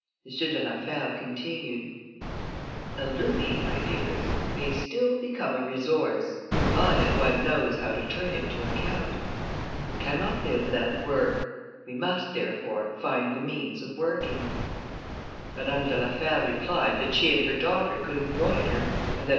M. de la Fère continued "A louis, my dears, may still become a resource, provided one knows how to turn it to account. We cannot live without work: we must, therefore, find the means of working." Madame de la Fère replied, that she and her daughter could embroider, and that M.